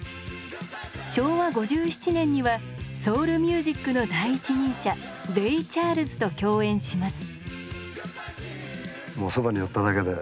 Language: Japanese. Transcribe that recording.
昭和５７年にはソウル・ミュージックの第一人者レイ・チャールズと共演します。